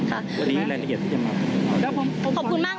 แล้วอีกอย่าง